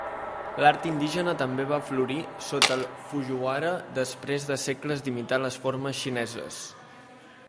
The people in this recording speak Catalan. L'art indígena també va florir sota el Fujiwara després de segles d'imitar les formes xineses.